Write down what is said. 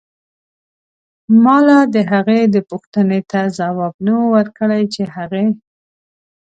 مالا دهغې دپو ښتنې ته ځواب نه و ورکړی چې هغې